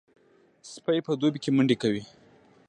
سپي په دوبي کې منډې کوي.